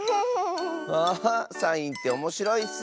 あサインっておもしろいッス。